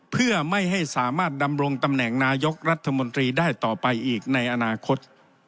เพื่อไม่ให้สามารถดำรงตำแหน่งนายกรัฐมนตรีได้ต่อไปอีกในอนาคต